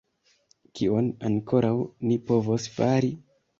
Kion ankoraŭ ni povos fari?